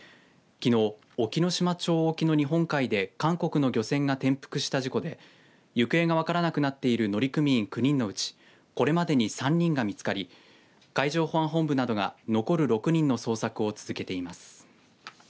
きのう隠岐の島町沖の日本海で韓国の漁船が転覆した事故で行方が分からなくなっている乗組員９人のうちこれまでに３人が見つかり海上保安本部などが残る６人の捜索を続けています。